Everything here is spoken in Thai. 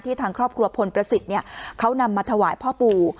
ทางครอบครัวพลประสิทธิ์เขานำมาถวายพ่อปู่